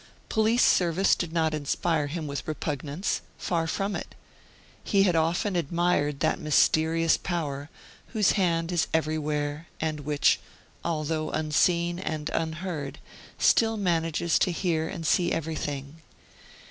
Police service did not inspire him with repugnance far from it. He had often admired that mysterious power whose hand is everywhere, and which, although unseen and unheard, still manages to hear and see everything.